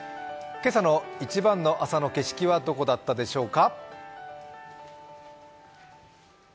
今朝の一番の朝の景色はどこだったでしょうか。